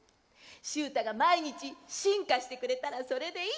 しゅうたが毎日進化してくれたらそれでいい！